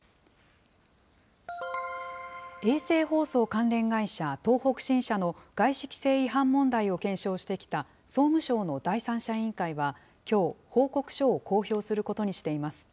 衛星放送関連会社、東北新社の外資規制違反問題を検証してきた総務省の第三者委員会は、きょう、報告書を公表することにしています。